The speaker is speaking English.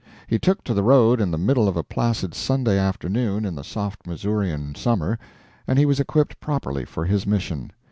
He took to the road in the middle of a placid Sunday afternoon in the soft Missourian summer, and he was equipped properly for his mission.